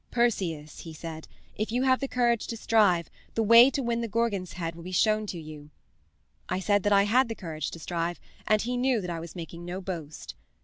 'Perseus,' he said, 'if you have the courage to strive, the way to win the Gorgon's head will be shown you.' I said that I had the courage to strive, and he knew that I was making no boast.